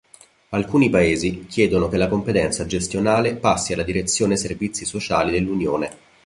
Alcuni Paesi chiedono che la competenza gestionale passi alla Direzione Servizi Sociali dell'Unione.